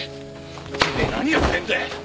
てめえ何やってんだよ！